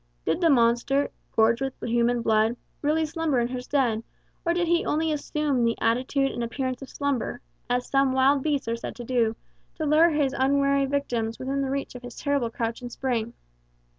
Did the monster, gorged with human blood, really slumber in his den; or did he only assume the attitude and appearance of slumber, as some wild beasts are said to do, to lure his unwary victims within the reach of his terrible crouch and spring?